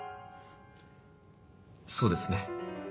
そうですね。